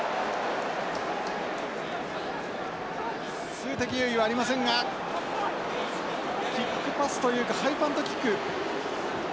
数的優位はありませんがキックパスというかハイパントキック。